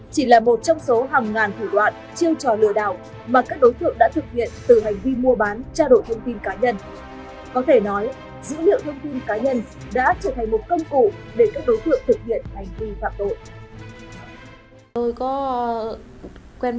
các đối tượng đã thực hiện từ hành vi mua bán tra đổi thông tin cá nhân